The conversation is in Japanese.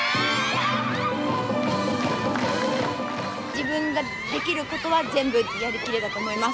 自分ができることは全部やりきれたと思います。